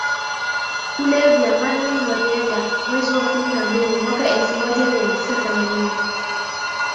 kulevya Manuel Noriega mwezi wa kumi na mbili mwaka elfu moja mia tisa themanini